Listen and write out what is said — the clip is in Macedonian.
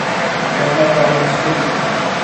Не знаев дали му студи.